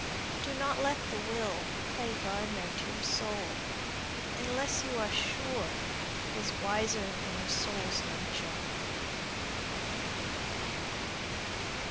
Do not let the will play gardener to your soul Unless you are sure It is wiser than your soul's nature.